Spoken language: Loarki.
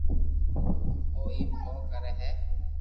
او ايم ڪون ڪري ھي